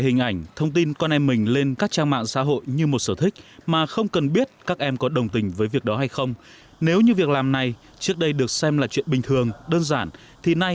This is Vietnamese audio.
xin mời quý vị và các bạn theo dõi phóng sự sau đây của chúng tôi